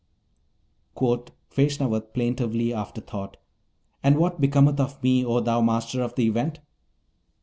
Quoth Feshnavat plaintively, after thought, 'And what becometh of me, O thou Master of the Event?'